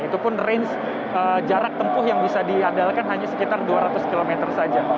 itu pun range jarak tempuh yang bisa diandalkan hanya sekitar dua ratus km saja